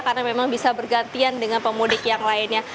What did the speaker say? karena memang bisa bergantian dengan pemudik yang lainnya